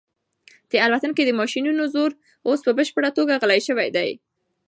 د الوتکې د ماشینونو زور اوس په بشپړه توګه غلی شوی دی.